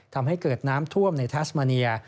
ทำให้เกิดน้ำท่วมในทัสมาเนีย